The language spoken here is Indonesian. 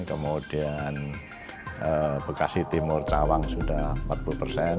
kemudian bekasi timur cawang sudah empat puluh persen